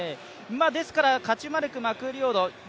ですからカチュマレク、マクリオド